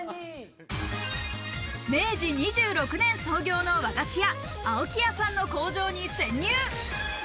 明治２６年創業の和菓子屋・青木屋さんの工場に潜入。